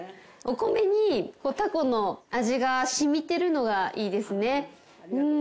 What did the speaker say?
お米にタコの味が染みてるのがいいですね。